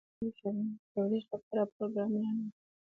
افغانستان د ښارونو د ترویج لپاره پروګرامونه لري.